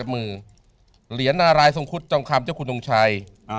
เหรียญนารายสงครุฑทองคำเจ้าคุณทงชัย